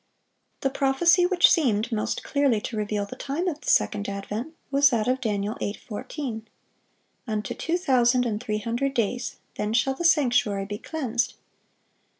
(536) The prophecy which seemed most clearly to reveal the time of the second advent was that of Dan. 8:14: "Unto two thousand and three hundred days; then shall the sanctuary be cleansed."